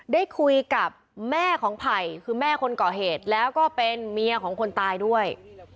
ได้คุยกับแม่ของไผ่คือแม่คนก่อเหตุแล้วก็เป็นเมียของคนตายด้วย